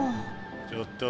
ちょっと。